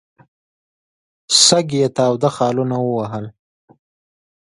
سږ یې تاوده خالونه ووهل.